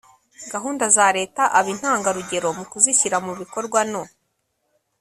gahunda za leta. aba intangarugero mu kuzishyira mu bikorwa no